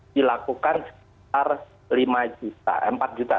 dilakukan sebesar rp empat juta